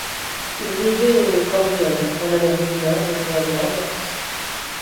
Il vivait au Cambrien en Amérique du nord, au Groenland et en Russie.